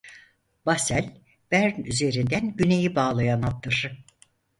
Basel- Bern üzerinden güneyi bağlayan hattır.